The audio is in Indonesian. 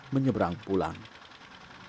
menyeberang pulau dan menyeberang pulau